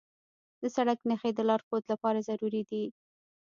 د سړک نښې د لارښود لپاره ضروري دي.